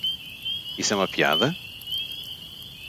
Isso é uma piada?